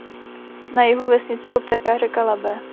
Na jihu vesnici obtéká řeka Labe.